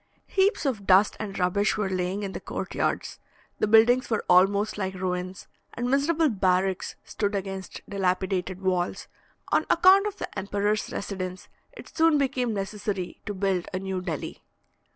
Heaps of dust and rubbish were laying in the court yards; the buildings were almost like ruins; and miserable barracks stood against dilapidated walls. On account of the emperor's residence, it soon became necessary to build a new Delhi.